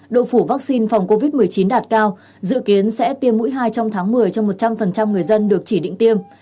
độ phủ vaccine phòng covid một mươi chín đạt cao dự kiến sẽ tiêm mũi hai trong tháng một mươi cho một trăm linh người dân được chỉ định tiêm